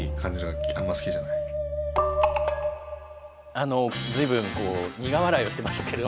あの随分苦笑いをしてましたけど。